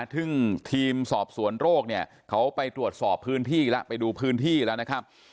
ซึ่งทีมสอบสวนโรคเนี่ยเขาไปตรวจสอบพื้นที่แล้วไปดูพื้นที่แล้วนะครับ